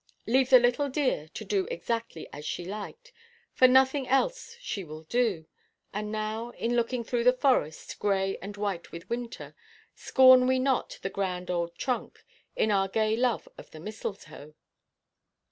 Leave the little dear to do exactly as she likes—for nothing else she will do; and now, in looking through the forest, grey and white with winter, scorn we not the grand old trunk, in our gay love of the mistletoe.